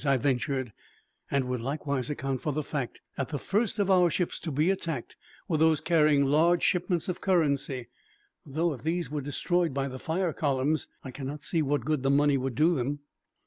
I ventured, "and would likewise account for the fact that the first of our ships to be attacked were those carrying large shipments of currency. Though if these were destroyed by the fire columns, I can not see what good the money would do them."